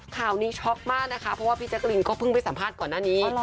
ข่าวนี้ช็อกมากนะคะเพราะว่าพี่แจ๊กรีนก็เพิ่งไปสัมภาษณ์ก่อนหน้านี้